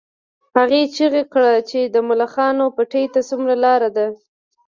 هغې چیغه کړه چې د ملخانو پټي ته څومره لار ده